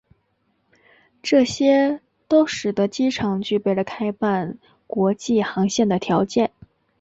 这些都使得机场具备了开办国际航线的条件。